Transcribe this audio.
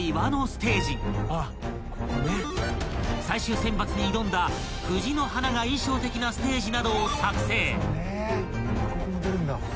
［最終選抜に挑んだ藤の花が印象的なステージなどを作成］